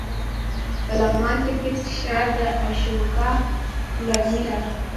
د لغمان کرکټ ښار د اشوکا پلازمېنه وه